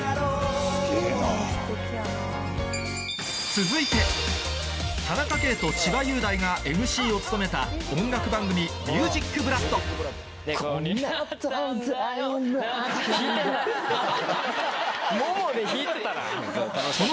続いて田中圭と千葉雄大が ＭＣ を務めた音楽番組『ＭＵＳＩＣＢＬＯＯＤ』ももで弾いてんな。